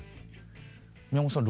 宮本さん